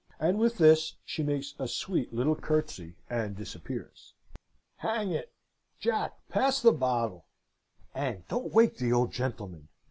And with this she makes a sweet little curtsey, and disappears. "'Hang it, Jack, pass the bottle, and don't wake the old gentleman!'